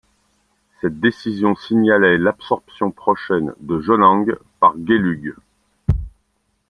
Cette décision signalait l’absorption prochaine de Jonang par Gelug.